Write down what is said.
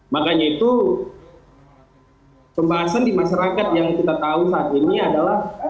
makanya itu pembahasan di masyarakat yang kita tahu saat ini adalah